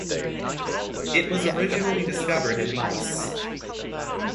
It was originally discovered in mice.